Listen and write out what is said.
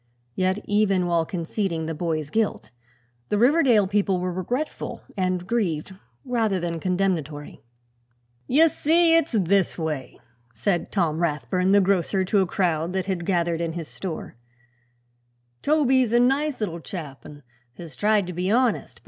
Yet, even while conceding the boy's guilt, the Riverdale people were regretful and grieved rather than condemnatory. "Ye see, it's this way," said Tom Rathbun the grocer to a crowd that had gathered in his store; "Toby's a nice little chap an' has tried to be honest.